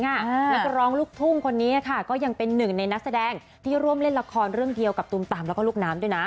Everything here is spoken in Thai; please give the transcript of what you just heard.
นักร้องลูกทุ่งคนนี้ค่ะก็ยังเป็นหนึ่งในนักแสดงที่ร่วมเล่นละครเรื่องเดียวกับตูมต่ำแล้วก็ลูกน้ำด้วยนะ